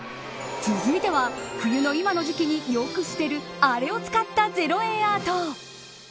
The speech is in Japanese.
続いては、冬の今の時期によく捨てるあれを使った０円アート。